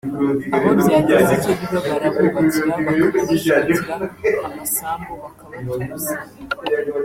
aho byagize icyo biba barabubakira bakanabashakira amasambu bakabatuza